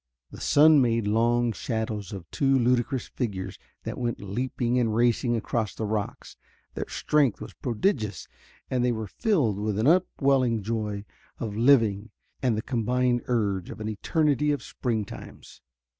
The sun made long shadows of two ludicrous figures that went leaping and racing across the rocks. Their strength was prodigious, and they were filled with an upwelling joy of living and the combined urge of an eternity of spring times.